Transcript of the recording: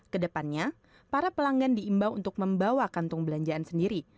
kedepannya para pelanggan diimbau untuk membawa kantung belanjaan sendiri